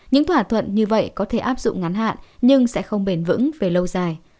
những thỏa thuận như vậy có thể áp dụng ngắn hạn nhưng sẽ không bền vững về lâu dài